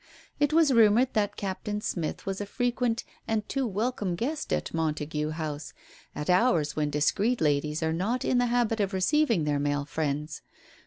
It was rumoured that Captain Smith was a frequent and too welcome guest at Montague House, at hours when discreet ladies are not in the habit of receiving their male friends.